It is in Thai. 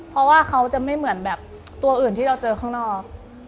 เพราะว่าเขาจะไม่เหมือนแบบตัวอื่นที่เราเจอข้างนอก